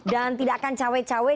dan tidak akan cawek cawek